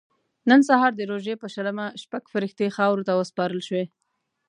نن سهار د روژې په شلمه شپږ فرښتې خاورو ته وسپارل شوې.